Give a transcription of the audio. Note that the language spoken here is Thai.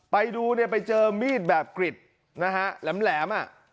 ไปดูเนี่ยไปเจอมีดแบบกริดนะฮะแหลมอ่ะ